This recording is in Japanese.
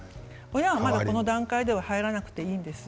親はこの段階では入らなくていいんです。